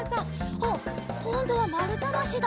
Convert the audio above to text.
おっこんどはまるたばしだ。